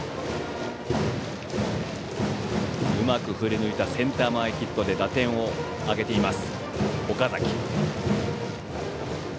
うまく振り抜いたセンター前ヒットで打点を挙げています、岡崎。